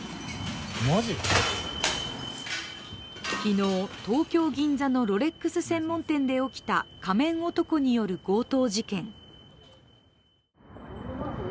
昨日、東京・銀座のロレックス専門店起きた仮面男による強盗事件。